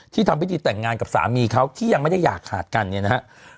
ทำพิธีแต่งงานกับสามีเขาที่ยังไม่ได้อยากขาดกันเนี่ยนะครับ